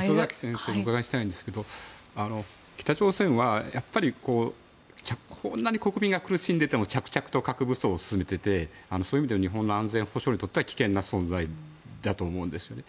礒崎先生に伺いたいんですが北朝鮮は国民がこんなに苦しんでいても着々と核武装を進めていてそういう意味では日本の安全保障にとっては危険な存在だと思うんです。